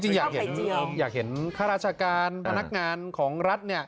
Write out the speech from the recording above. จริงอยากเห็นข้าราชการพนักงานของรัฐ